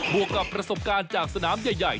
วกกับประสบการณ์จากสนามใหญ่